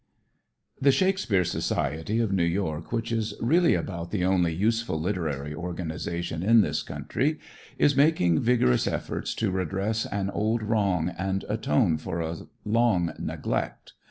The Shakespeare society of New York, which is really about the only useful literary organization in this country, is making vigorous efforts to redress an old wrong and atone for a long neglect.